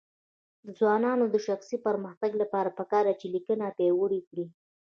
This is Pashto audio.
د ځوانانو د شخصي پرمختګ لپاره پکار ده چې لیکنه پیاوړې کړي.